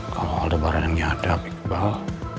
kalau aldebaran yang nyadap iqbal